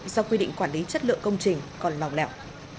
do quy định quản lý chất lượng công trình còn lòng lẻo